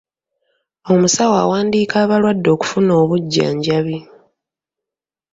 Omusawo awandiika abalwadde okufuna obujjanjabi.